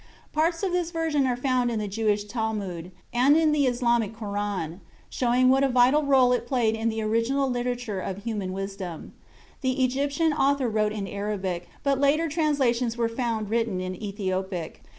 Parts of this version are found in the Jewish Talmud, and the Islamic Koran, showing what a vital role it played in the original literature of human wisdom. The Egyptian author wrote in Arabic, but later translations were found written in Ethiopic.